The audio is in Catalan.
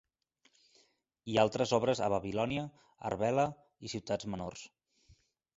I altres obres a Babilònia, Arbela, i ciutats menors.